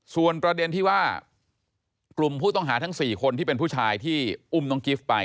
ส่วนประเด็นที่ว่ากลุ่มผู้ต้องหาทั้ง๔คนที่เป็นผู้ชายที่อุ้มน้องกิฟต์ไป